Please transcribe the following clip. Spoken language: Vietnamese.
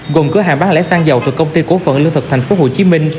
gồm cửa hàng bán lẻ xăng dầu từ công ty cố phận lương thực tp hcm